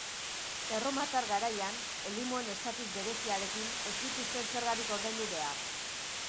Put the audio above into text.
Erromatar garaian, elimoen estatus bereziarekin, ez zituzten zergarik ordaindu behar.